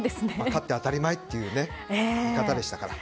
勝って当たり前という見方でしたから。